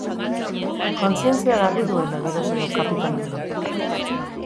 Kontzientzia garbi duela adierazi du kapitainak.